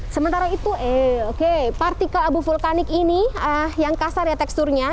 sementara itu eh oke partikel abu vulkanik ini yang kasar ya teksturnya